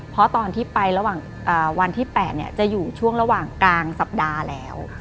เพราะตอนที่ไประหว่างวันที่๘จะอยู่ช่วงระหว่างกลางสัปดาห์แล้ว